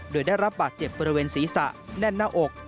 โดยได้รับบาดเจ็บบริเวณศีรษะแน่นหน้าอก